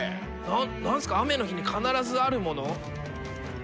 何何すか雨の日に必ずあるもの？